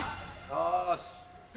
よし。